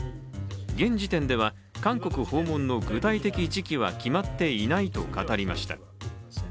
現時点では韓国訪問の具体的時期は決まっていないと語りました。